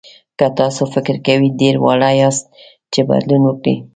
که تاسو فکر کوئ ډېر واړه یاست چې بدلون وکړئ.